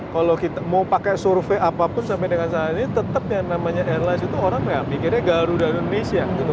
kalau kita mau pakai survei apapun sampai dengan saat ini tetap yang namanya airlines itu orang nggak mikirnya garuda indonesia gitu